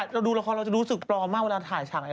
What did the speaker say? ติดมาทั้งสองเลย